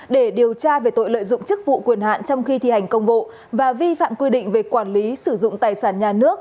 để điều tra về tội lợi dụng chức vụ quyền hạn trong khi thi hành công vụ và vi phạm quy định về quản lý sử dụng tài sản nhà nước